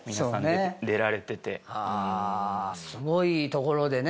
すごいところでね